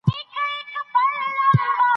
آیا وطن یوازې د خاورې او کاڼو نوم دی؟